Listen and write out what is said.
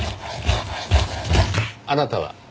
あなたは？